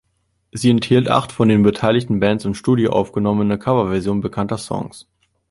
Sie enthielt acht von den beteiligten Bands im Studio aufgenommene Coverversionen bekannter Songs.